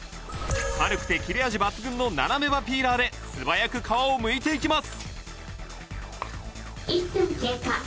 軽くて切れ味抜群の斜め刃ピーラーで素早く皮をむいていきます